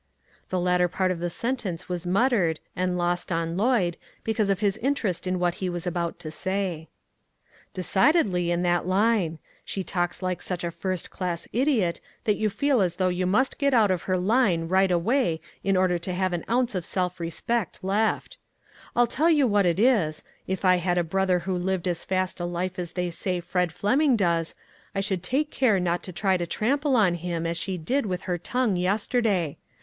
The latter part of the sentence was mut tered, and lost on Lloyd, because of his in terest in what he was about to say. " Decidedly in that line ; she talks like such a first class idiot that you feel as though you must get out of her line right 152 ONE COMMONPLACE DAY. away in order to have an ounce of self re spect left. I'll tell you what it is, if I had a brother who lived as fast a life as they say Fred Fleming does, I would take care not to try to trample on him as she did with her tongue yesterday.